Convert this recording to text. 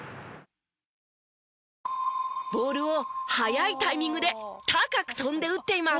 ボールを早いタイミングで高く跳んで打っています。